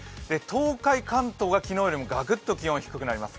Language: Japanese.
東海、関東が昨日よりもガクッと気温が低くなります。